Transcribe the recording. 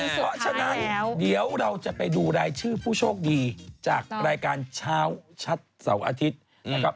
เพราะฉะนั้นเดี๋ยวเราจะไปดูรายชื่อผู้โชคดีจากรายการเช้าชัดเสาร์อาทิตย์นะครับ